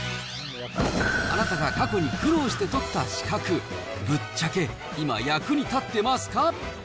あなたが過去に苦労して取った資格、ぶっちゃけ今、役に立ってますか？